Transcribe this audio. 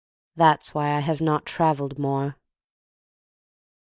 (That's why I have not travelled more.)